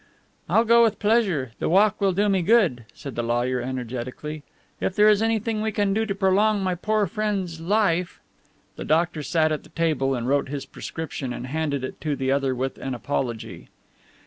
"I'll go with pleasure the walk will do me good," said the lawyer energetically. "If there is anything we can do to prolong my poor friend's life " The doctor sat at the table and wrote his prescription and handed it to the other with an apology.